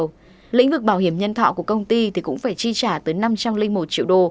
trong tháng hai lĩnh vực bảo hiểm nhân thọ của công ty cũng phải chi trả tới năm trăm linh một triệu đô